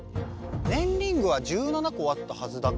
ねんリングは１７こあったはずだから。